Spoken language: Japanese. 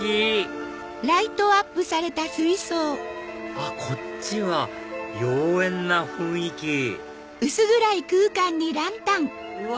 あっこっちは妖艶な雰囲気うわ